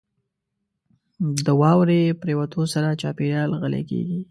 • د واورې پرېوتو سره چاپېریال غلی کېږي.